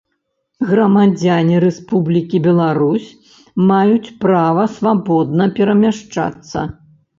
Грамадзяне Рэспублікі Беларусь маюць права свабодна перамяшчацца.